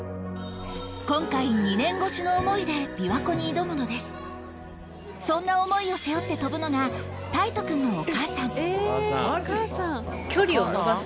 今回２年越しの想いで琵琶湖に挑むのですそんな想いを背負って飛ぶのが大徹くんのお母さんええ。